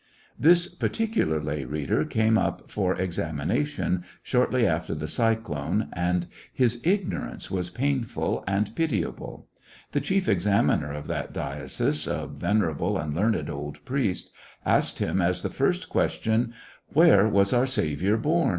This particular lay reader came up for examination shortly after the cyclone, and his ignorance was painful and pitiable. The chief examiner of that diocese, a venerable and learned old priest, asked him as the first question : "Where was our Saviour bom!"